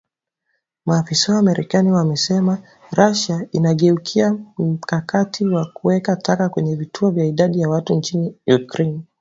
Maafisa wa marekani wanasema Russia inageukia mkakati wa kuweka taka kwenye vituo vya idadi ya watu nchini Ukraine